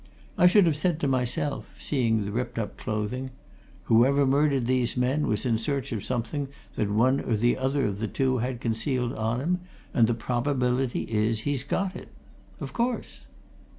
I should have said to myself, seeing the ripped up clothing, 'Whoever murdered these men was in search of something that one or other of the two had concealed on him, and the probability is, he's got it.' Of course!"